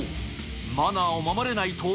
マナーを守れないと。